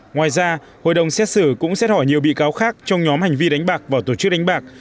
ngoài ra hội đồng xét xử cũng xét hỏi nhiều bị cáo khác trong nhóm hành vi đánh bạc và tổ chức đánh bạc